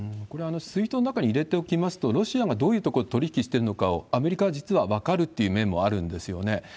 これＳＷＩＦＴの中に入れておきますと、ロシアがどういう所で取り引きしてるのかを、アメリカは実は分かるっていう面もあるんですよね。